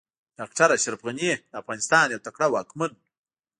ډاکټر اشرف غني د افغانستان يو تکړه واکمن و